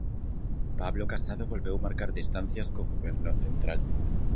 Pablo Casado volveu marcar distancias co goberno central.